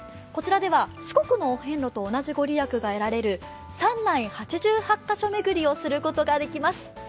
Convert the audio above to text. こちらでは四国のお遍路と同じ御利益が得られる山内八十八ヶ所巡りをすることができます。